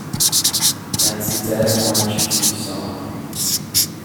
That's the Dead March from 'Saul'.